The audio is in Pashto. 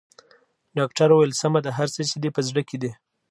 ډاکټر وويل سمه ده هر څه چې دې په زړه کې دي.